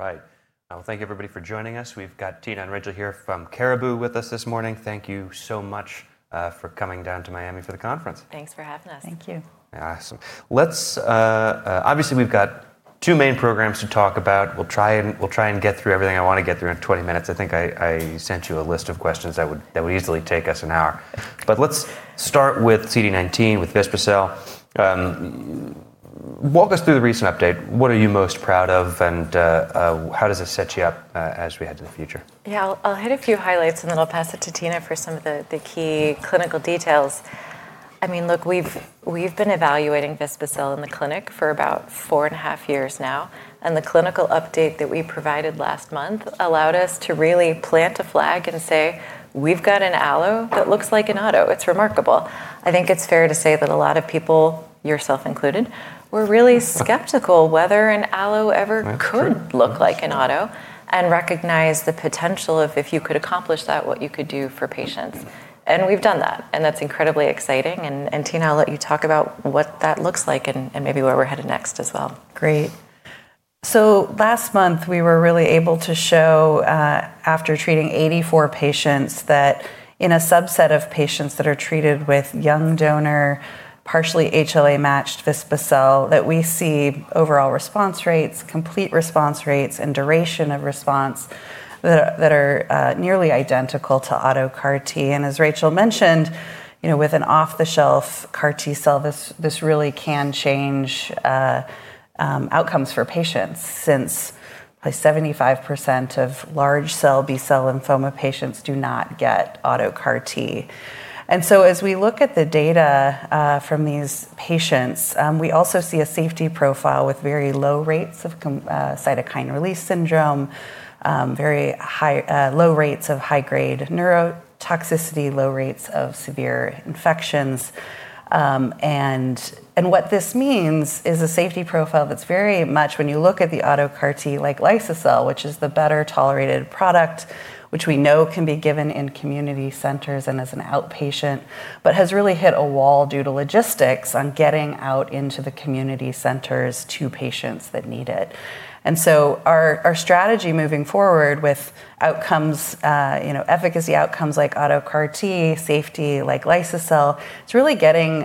All right. Thank you, everybody, for joining us. We have Tina and Rachel here from Caribou with us this morning. Thank you so much for coming down to Miami for the conference. Thanks for having us. Thank you. Awesome. Let's obviously, we've got two main programs to talk about. We'll try and get through everything I want to get through in 20 minutes. I think I sent you a list of questions that would easily take us an hour. Let's start with CD19, with Vispa-cel. Walk us through the recent update. What are you most proud of, and how does this set you up as we head into the future? Yeah, I'll hit a few highlights, and then I'll pass it to Tina for some of the key clinical details. I mean, look, we've been evaluating Vispa-cel in the clinic for about four and a half years now, and the clinical update that we provided last month allowed us to really plant a flag and say, we've got an allo that looks like an auto. It's remarkable. I think it's fair to say that a lot of people, yourself included, were really skeptical whether an allo ever could look like an auto and recognize the potential of, if you could accomplish that, what you could do for patients. We've done that, and that's incredibly exciting. Tina, I'll let you talk about what that looks like and maybe where we're headed next as well. Great. Last month, we were really able to show, after treating 84 patients, that in a subset of patients that are treated with young donor, partially HLA-matched Vispa-cel, we see overall response rates, complete response rates, and duration of response that are nearly identical to auto CAR-T. As Rachel mentioned, with an off-the-shelf CAR-T cell, this really can change outcomes for patients since 75% of large cell B-cell lymphoma patients do not get auto CAR-T. As we look at the data from these patients, we also see a safety profile with very low rates of cytokine release syndrome, very low rates of high-grade neurotoxicity, low rates of severe infections. What this means is a safety profile that's very much, when you look at the auto CAR-T, like Lysosel, which is the better-tolerated product, which we know can be given in community centers and as an outpatient, but has really hit a wall due to logistics on getting out into the community centers to patients that need it. Our strategy moving forward with efficacy outcomes like auto CAR-T, safety like Lysosel, is really getting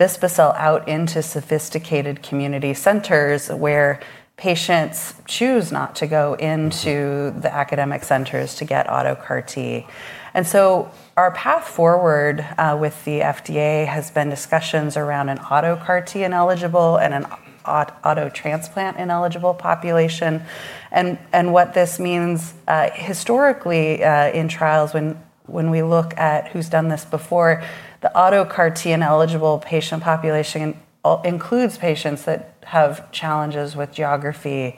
Vispa-cel out into sophisticated community centers where patients choose not to go into the academic centers to get auto CAR-T. Our path forward with the FDA has been discussions around an auto CAR-T ineligible and an auto transplant ineligible population. What this means historically in trials, when we look at who's done this before, the auto CAR-T ineligible patient population includes patients that have challenges with geography,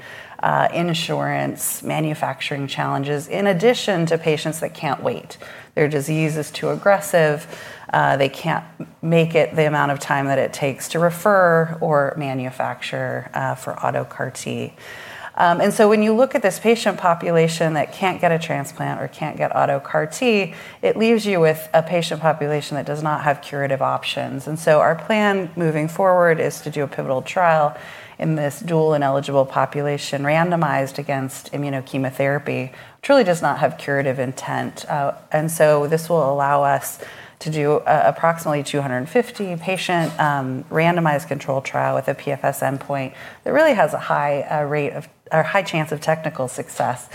insurance, manufacturing challenges, in addition to patients that can't wait. \Their disease is too aggressive. They can't make it the amount of time that it takes to refer or manufacture for auto CAR-T. When you look at this patient population that can't get a transplant or can't get auto CAR-T, it leaves you with a patient population that does not have curative options. Our plan moving forward is to do a pivotal trial in this dual ineligible population randomized against immunochemotherapy. It truly does not have curative intent. This will allow us to do approximately 250 patient randomized control trial with a PFS endpoint that really has a high chance of technical success.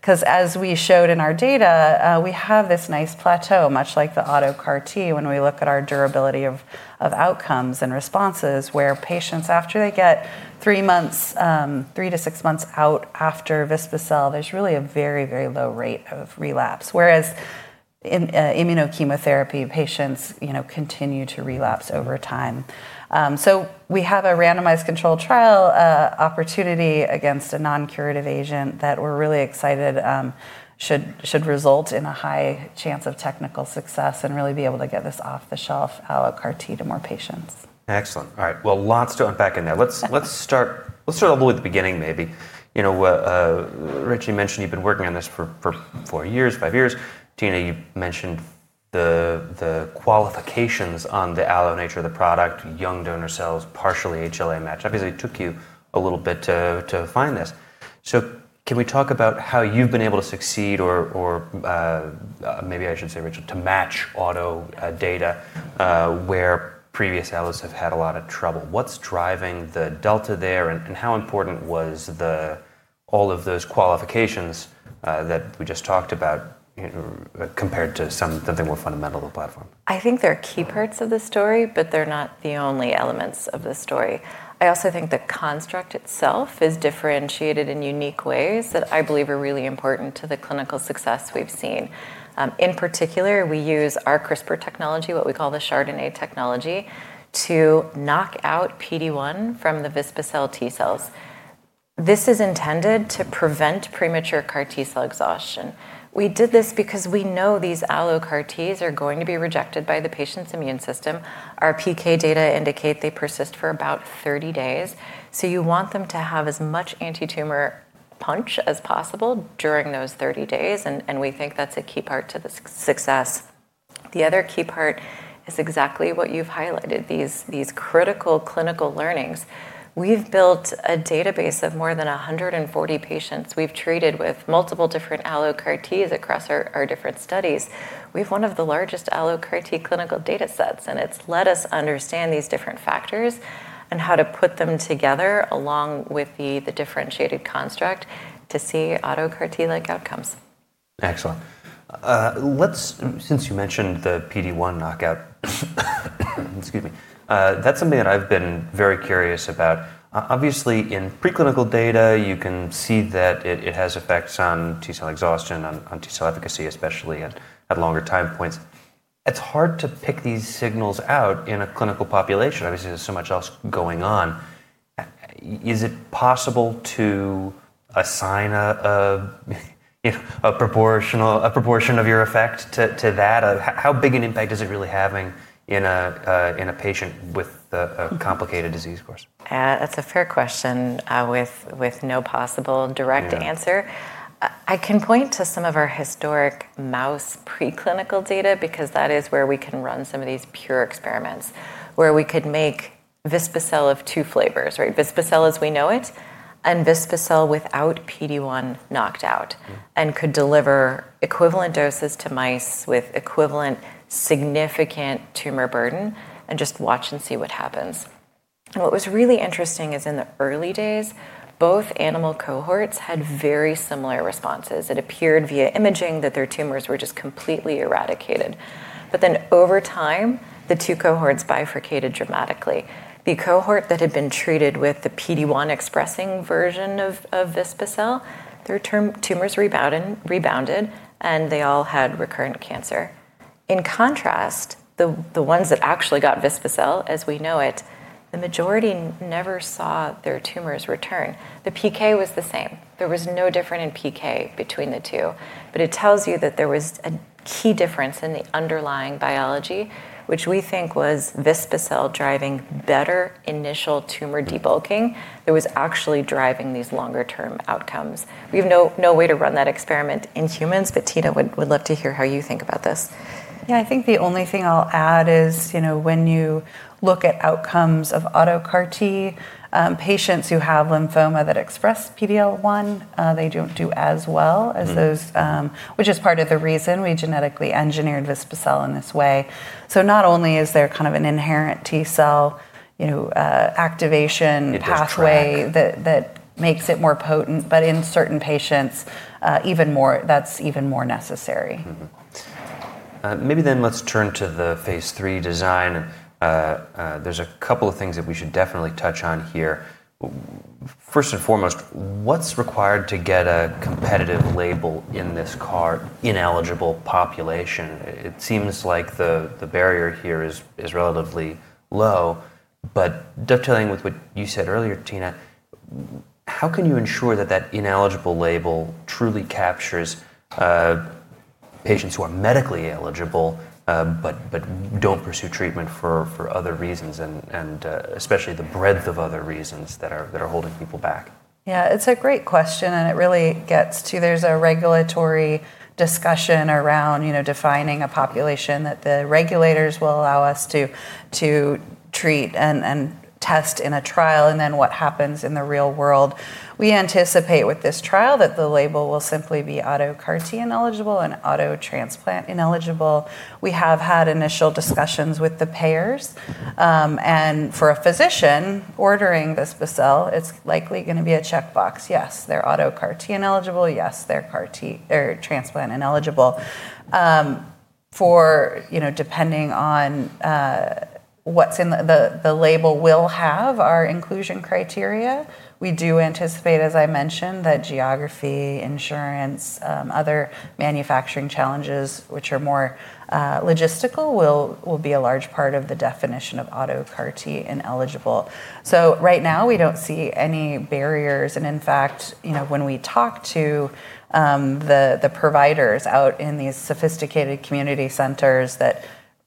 Because as we showed in our data, we have this nice plateau, much like the auto CAR-T, when we look at our durability of outcomes and responses, where patients, after they get three to six months out after Vispa-cel, there's really a very, very low rate of relapse, whereas in immunochemotherapy, patients continue to relapse over time. We have a randomized control trial opportunity against a non-curative agent that we're really excited should result in a high chance of technical success and really be able to get this off-the-shelf auto CAR-T to more patients. Excellent. All right. Lots to unpack in there. Let's start a little at the beginning, maybe. Rachel, you mentioned you've been working on this for four years, five years. Tina, you mentioned the qualifications on the allo nature of the product, young donor cells, partially HLA-matched. Obviously, it took you a little bit to find this. Can we talk about how you've been able to succeed, or maybe I should say, Rachel, to match auto data where previous allos have had a lot of trouble? What's driving the delta there, and how important was all of those qualifications that we just talked about compared to something more fundamental to the platform? I think they're key parts of the story, but they're not the only elements of the story. I also think the construct itself is differentiated in unique ways that I believe are really important to the clinical success we've seen. In particular, we use our CRISPR technology, what we call the chRDNA technology, to knock out PD-1 from the Vispa-cel T cells. This is intended to prevent premature CAR-T cell exhaustion. We did this because we know these allogeneic CAR-Ts are going to be rejected by the patient's immune system. Our PK data indicate they persist for about 30 days. You want them to have as much anti-tumor punch as possible during those 30 days, and we think that's a key part to the success. The other key part is exactly what you've highlighted, these critical clinical learnings. We've built a database of more than 140 patients we've treated with multiple different allogeneic CAR-Ts across our different studies. We have one of the largest allogeneic CAR-T clinical data sets, and it's let us understand these different factors and how to put them together along with the differentiated construct to see autologous CAR-T-like outcomes. Excellent. Since you mentioned the PD-1 knockout, excuse me, that's something that I've been very curious about. Obviously, in preclinical data, you can see that it has effects on T cell exhaustion, on T cell efficacy, especially at longer time points. It's hard to pick these signals out in a clinical population. Obviously, there's so much else going on. Is it possible to assign a proportion of your effect to that? How big an impact is it really having in a patient with a complicated disease course? That's a fair question with no possible direct answer. I can point to some of our historic mouse preclinical data because that is where we can run some of these pure experiments, where we could make Vispa-cel of two flavors, right? Vispa-cel as we know it and Vispa-cel without PD-1 knocked out, and could deliver equivalent doses to mice with equivalent significant tumor burden and just watch and see what happens. What was really interesting is in the early days, both animal cohorts had very similar responses. It appeared via imaging that their tumors were just completely eradicated. Over time, the two cohorts bifurcated dramatically. The cohort that had been treated with the PD-1 expressing version of Vispa-cel, their tumors rebounded, and they all had recurrent cancer. In contrast, the ones that actually got Vispa-cel as we know it, the majority never saw their tumors return. The PK was the same. There was no difference in PK between the two. It tells you that there was a key difference in the underlying biology, which we think was Vispa-cel driving better initial tumor debulking that was actually driving these longer-term outcomes. We have no way to run that experiment in humans, but Tina would love to hear how you think about this. Yeah, I think the only thing I'll add is when you look at outcomes of auto CAR-T patients who have lymphoma that express PD-1, they don't do as well as those, which is part of the reason we genetically engineered Vispa-cel in this way. Not only is there kind of an inherent T cell activation pathway that makes it more potent, but in certain patients, that's even more necessary. Maybe then let's turn to the phase III design. There's a couple of things that we should definitely touch on here. First and foremost, what's required to get a competitive label in this CAR-T ineligible population? It seems like the barrier here is relatively low. Dovetailing with what you said earlier, Tina, how can you ensure that that ineligible label truly captures patients who are medically eligible but don't pursue treatment for other reasons, and especially the breadth of other reasons that are holding people back? Yeah, it's a great question, and it really gets to there's a regulatory discussion around defining a population that the regulators will allow us to treat and test in a trial, and then what happens in the real world. We anticipate with this trial that the label will simply be auto CAR-T ineligible and auto transplant ineligible. We have had initial discussions with the payers. For a physician ordering Vispa-cel, it's likely going to be a checkbox. Yes, they're auto CAR-T ineligible. Yes, they're transplant ineligible. Depending on what the label will have are inclusion criteria. We do anticipate, as I mentioned, that geography, insurance, other manufacturing challenges, which are more logistical, will be a large part of the definition of auto CAR-T ineligible. Right now, we don't see any barriers. In fact, when we talk to the providers out in these sophisticated community centers that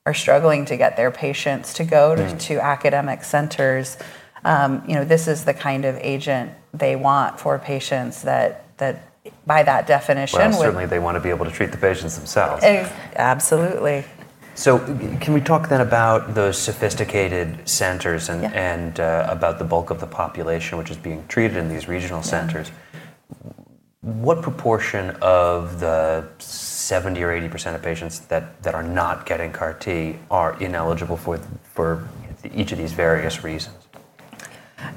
are struggling to get their patients to go to academic centers, this is the kind of agent they want for patients that by that definition. Most certainly, they want to be able to treat the patients themselves. Absolutely. Can we talk then about those sophisticated centers and about the bulk of the population which is being treated in these regional centers? What proportion of the 70 or 80% of patients that are not getting CAR-T are ineligible for each of these various reasons?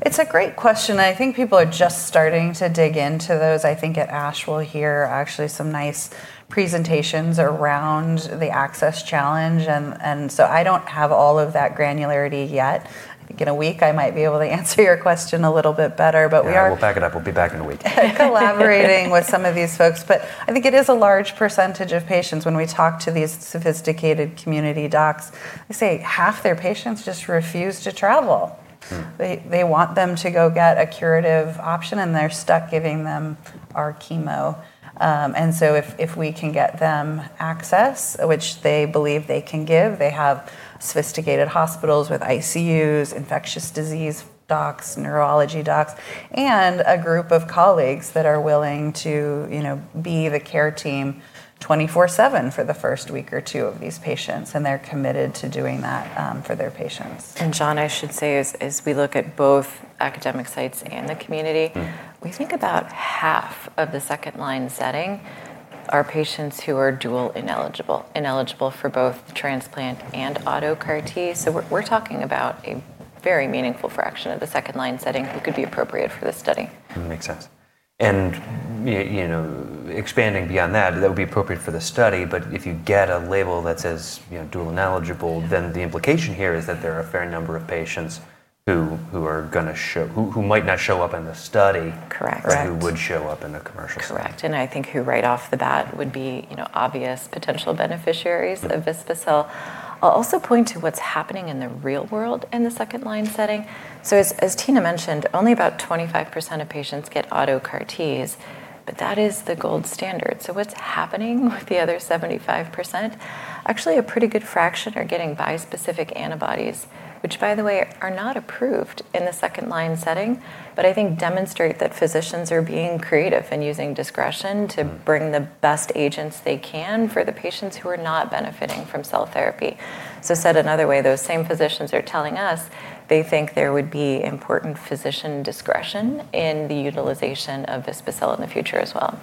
It's a great question. I think people are just starting to dig into those. I think at ASH, we'll hear actually some nice presentations around the access challenge. I don't have all of that granularity yet. I think in a week, I might be able to answer your question a little bit better. We'll pack it up. We'll be back in a week. Collaborating with some of these folks. I think it is a large percentage of patients when we talk to these sophisticated community docs, they say half their patients just refuse to travel. They want them to go get a curative option, and they're stuck giving them our chemo. If we can get them access, which they believe they can give, they have sophisticated hospitals with ICUs, infectious disease docs, neurology docs, and a group of colleagues that are willing to be the care team 24/7 for the first week or two of these patients. They are committed to doing that for their patients. John, I should say, as we look at both academic sites and the community, we think about half of the second-line setting are patients who are dual ineligible for both transplant and auto CAR-T. We are talking about a very meaningful fraction of the second-line setting who could be appropriate for this study. Makes sense. Expanding beyond that, that would be appropriate for the study. If you get a label that says dual ineligible, then the implication here is that there are a fair number of patients who are going to show who might not show up in the study or who would show up in the commercial study. Correct. I think who right off the bat would be obvious potential beneficiaries of Vispa-cel. I'll also point to what's happening in the real world in the second-line setting. As Tina mentioned, only about 25% of patients get auto CAR-Ts, but that is the gold standard. What's happening with the other 75%? Actually, a pretty good fraction are getting bispecific antibodies, which, by the way, are not approved in the second-line setting, but I think demonstrate that physicians are being creative and using discretion to bring the best agents they can for the patients who are not benefiting from cell therapy. Said another way, those same physicians are telling us they think there would be important physician discretion in the utilization of Vispa-cel in the future as well.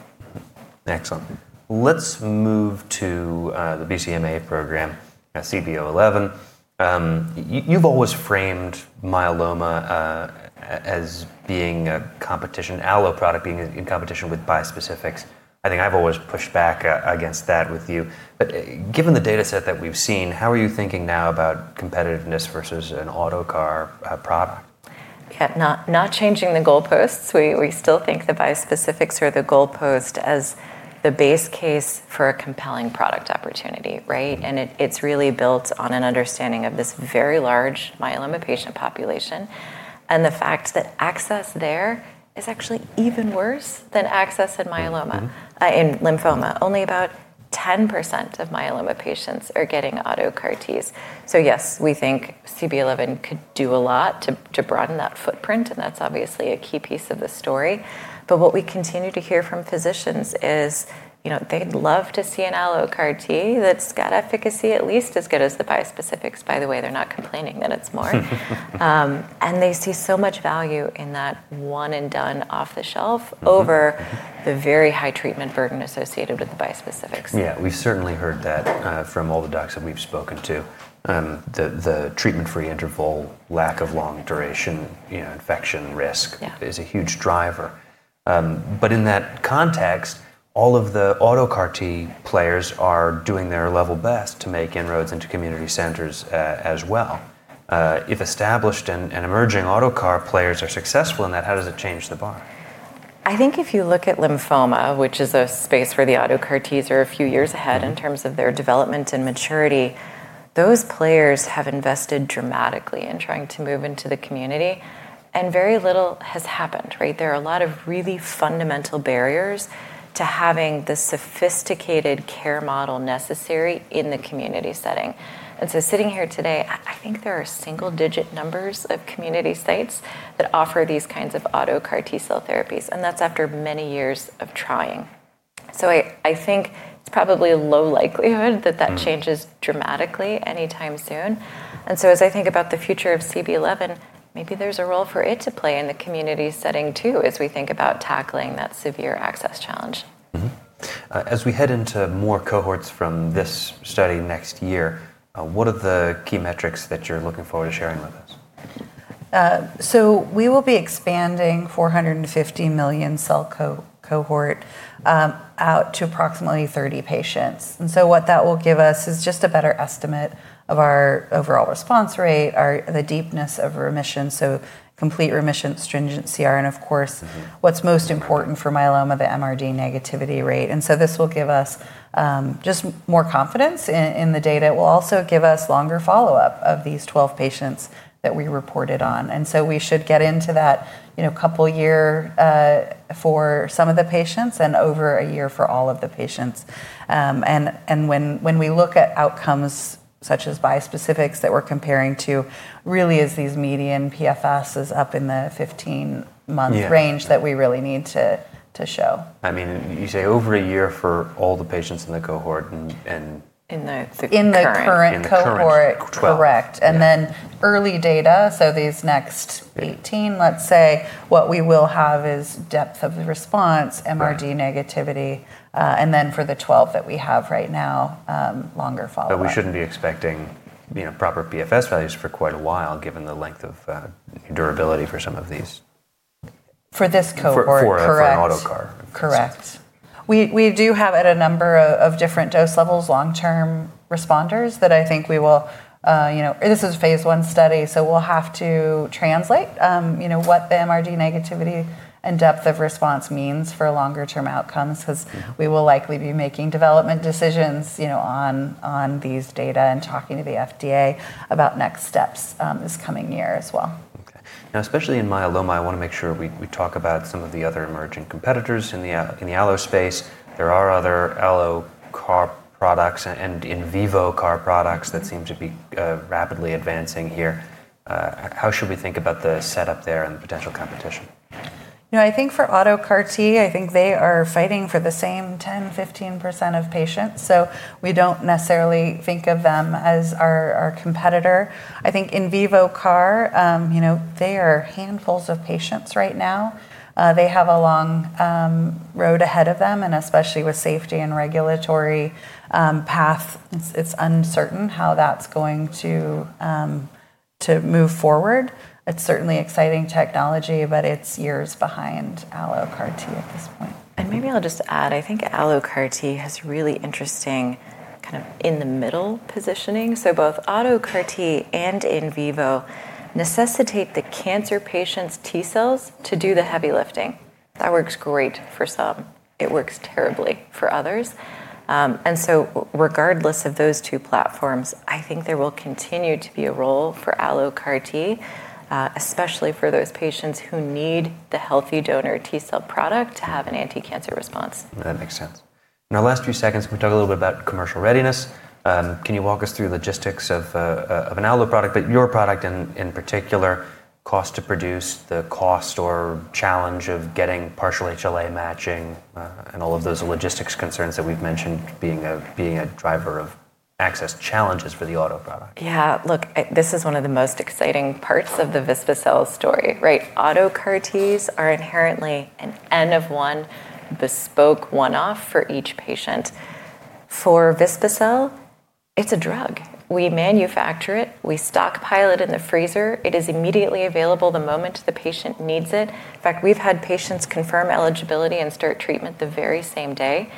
Excellent. Let's move to the BCMA program, CB-011. You've always framed myeloma as being a competition, allo product being in competition with bispecifics. I think I've always pushed back against that with you. Given the data set that we've seen, how are you thinking now about competitiveness versus an auto CAR-T product? Yeah, not changing the goalposts. We still think the bispecifics are the goalpost as the base case for a compelling product opportunity, right? It's really built on an understanding of this very large myeloma patient population. The fact that access there is actually even worse than access in myeloma. In lymphoma, only about 10% of myeloma patients are getting auto CAR-Ts. Yes, we think CB-011 could do a lot to broaden that footprint, and that's obviously a key piece of the story. What we continue to hear from physicians is they'd love to see an allo CAR-T that's got efficacy at least as good as the bispecifics. By the way, they're not complaining that it's more. They see so much value in that one-and-done off-the-shelf over the very high treatment burden associated with the bispecifics. Yeah, we've certainly heard that from all the docs that we've spoken to. The treatment-free interval, lack of long-duration infection risk is a huge driver. In that context, all of the auto CAR-T players are doing their level best to make inroads into community centers as well. If established and emerging auto CAR-T players are successful in that, how does it change the bar? I think if you look at lymphoma, which is a space where the auto CAR-Ts are a few years ahead in terms of their development and maturity, those players have invested dramatically in trying to move into the community, and very little has happened, right? There are a lot of really fundamental barriers to having the sophisticated care model necessary in the community setting. Sitting here today, I think there are single-digit numbers of community sites that offer these kinds of auto CAR-T cell therapies, and that's after many years of trying. I think it's probably low likelihood that that changes dramatically anytime soon. As I think about the future of CB-011, maybe there's a role for it to play in the community setting too as we think about tackling that severe access challenge. As we head into more cohorts from this study next year, what are the key metrics that you're looking forward to sharing with us? We will be expanding the 450 million cell cohort out to approximately 30 patients. What that will give us is just a better estimate of our overall response rate, the deepness of remission, so complete remission, stringency, and of course, what's most important for myeloma, the MRD negativity rate. This will give us just more confidence in the data. It will also give us longer follow-up of these 12 patients that we reported on. We should get into that couple of years for some of the patients and over a year for all of the patients. When we look at outcomes such as biospecifics that we're comparing to, it really is these median PFSs up in the 15-month range that we really need to show. I mean, you say over a year for all the patients in the cohort. In the current cohort. In the current cohort. Correct. Early data, so these next 18, let's say, what we will have is depth of response, MRD negativity, and then for the 12 that we have right now, longer follow-up. We should not be expecting proper PFS values for quite a while given the length of durability for some of these. For this cohort. For auto CAR-T. Correct. We do have at a number of different dose levels long-term responders that I think we will this is a phase one study, so we'll have to translate what the MRD negativity and depth of response means for longer-term outcomes because we will likely be making development decisions on these data and talking to the FDA about next steps this coming year as well. Now, especially in myeloma, I want to make sure we talk about some of the other emerging competitors in the allo space. There are other allo CAR-T products and in vivo CAR-T products that seem to be rapidly advancing here. How should we think about the setup there and the potential competition? I think for auto CAR-T, I think they are fighting for the same 10-15% of patients. So we do not necessarily think of them as our competitor. I think in vivo CAR-T, they are handfuls of patients right now. They have a long road ahead of them, and especially with safety and regulatory path, it is uncertain how that is going to move forward. It is certainly exciting technology, but it is years behind allo CAR-T at this point. Maybe I'll just add, I think allo CAR-T has really interesting kind of in-the-middle positioning. Both auto CAR-T and in vivo necessitate the cancer patient's T cells to do the heavy lifting. That works great for some. It works terribly for others. Regardless of those two platforms, I think there will continue to be a role for allo CAR-T, especially for those patients who need the healthy donor T cell product to have an anti-cancer response. That makes sense. In our last few seconds, we talked a little bit about commercial readiness. Can you walk us through the logistics of an allo product, but your product in particular, cost to produce, the cost or challenge of getting partial HLA matching and all of those logistics concerns that we've mentioned being a driver of access challenges for the auto product? Yeah, look, this is one of the most exciting parts of the Vispa-cel story, right? Auto CAR-Ts are inherently an end-of-one bespoke one-off for each patient. For Vispa-cel, it's a drug. We manufacture it. We stockpile it in the freezer. It is immediately available the moment the patient needs it. In fact, we've had patients confirm eligibility and start treatment the very same day.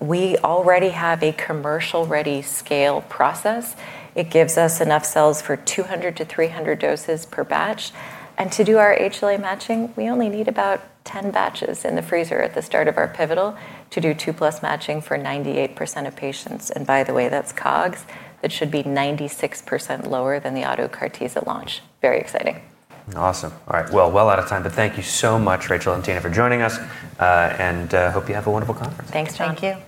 We already have a commercial-ready scale process. It gives us enough cells for 200-300 doses per batch. To do our HLA matching, we only need about 10 batches in the freezer at the start of our pivotal to do 2+ matching for 98% of patients. By the way, that's COGS. It should be 96% lower than the auto CAR-Ts at launch. Very exciting. Awesome. All right, we are out of time. Thank you so much, Rachel and Tina, for joining us. Hope you have a wonderful conference. Thanks, John. Thank you.